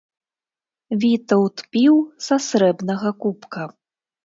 Вітаўт піў са срэбнага кубка.